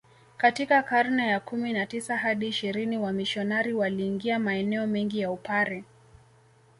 Katika karne ya kumi na tisa hadi ishirini wamisionari waliingia maeneo mengi ya Upare